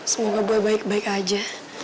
semoga boleh baik baik aja